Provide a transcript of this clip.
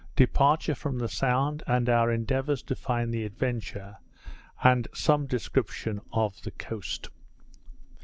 Departure from the Sound, and our Endeavours to find the Adventure; with some Description of the Coast.